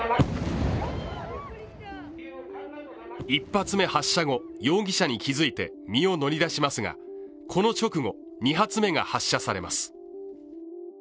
１発目の発射後容疑者に気づいて身を乗り出しますがこの直後、２発目が発射されます。